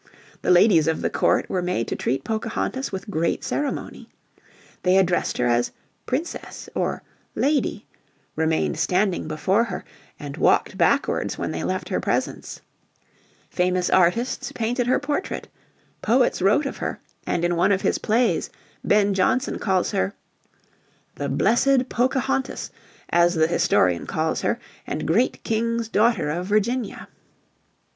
The ladies of the court were made to treat Pocahontas with great ceremony. They addressed her as "Princess" or "Lady," remained standing before her, and walked backwards when they left her presence; famous artists painted her portrait; poets wrote of her, and in one of his plays Ben Johnson calls her The Blessed Pokahontas, as the historian calls her And great King's daughter of Virginia.